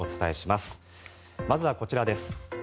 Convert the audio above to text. まずはこちらです。